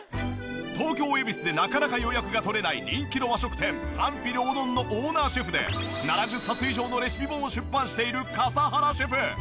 東京恵比寿でなかなか予約が取れない人気の和食店賛否両論のオーナーシェフで７０冊以上のレシピ本を出版している笠原シェフ。